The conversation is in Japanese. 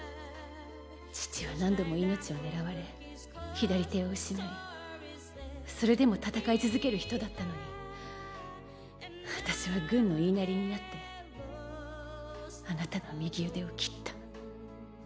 父は何度も命を狙われ左手を失いそれでも戦い続ける人だったのに私は軍の言いなりになってあなたの右腕を切った。